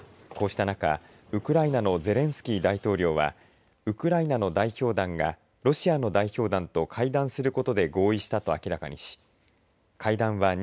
こうした中ウクライナのゼレンスキー大統領はウクライナの代表団がロシアの代表団と会談することで合意したと明らかにし